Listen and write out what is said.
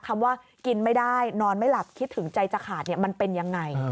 คำว่ากินไม่ได้นอนไม่หลับคิดถึงใจจะขาดมันเป็นยังไง